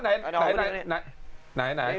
นี่นะฮะ